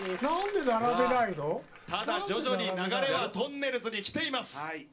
ただ徐々に流れはとんねるずにきています。